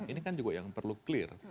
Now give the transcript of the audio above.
ini kan juga yang perlu clear